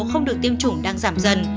không được tiêm chủng đang giảm dần